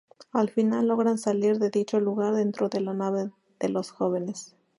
Al final logran salir de dicho lugar dentro de la nave de los jóvenes.